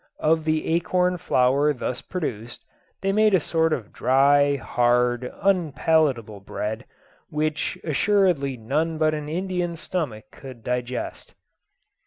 Of the acorn flour thus produced they made a sort of dry, hard, unpalatable bread, which assuredly none but an Indian stomach could digest.